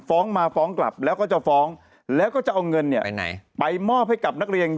ฟ้องมาฟ้องกลับแล้วก็จะฟ้องแล้วก็จะเอาเงินเนี่ยไปมอบให้กับนักเรียน